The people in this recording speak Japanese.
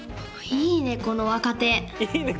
いいねこの若手。